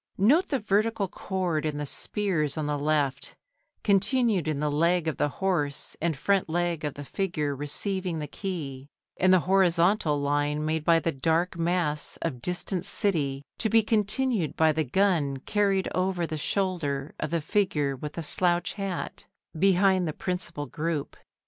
Note the vertical chord in the spears on the left, continued in the leg of the horse and front leg of the figure receiving the key, and the horizontal line made by the dark mass of distant city, to be continued by the gun carried over the shoulder of the figure with the slouch hat behind the principal group.